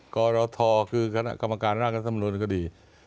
กรธคือคณะกรรมการราชสำนวนก็ดี